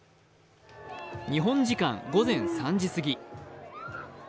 日本時間午前３時過ぎ。